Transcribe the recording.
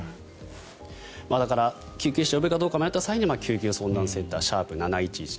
だから、救急車を呼ぶかどうか迷った際には救急相談センター「＃７１１９」。